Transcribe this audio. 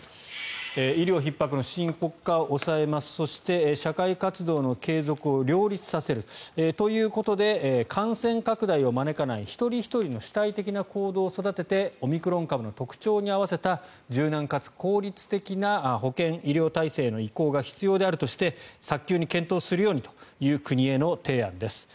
医療ひっ迫の深刻化を抑えますそして、社会活動の継続を両立させる。ということで感染拡大を招かない一人ひとりの主体的な行動を育ててオミクロン株の特徴に合わせた柔軟かつ効率的な保険医療体制への移行が必要であるとして早急に検討するようにという国への提案です。